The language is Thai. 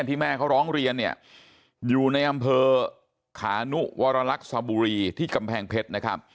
แม่เขาร้องเรียนเนี่ยอยู่ในอำเภอขานุวรรลักษบุรีที่กำแพงเพชรนะครับ